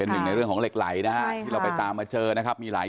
มันหาย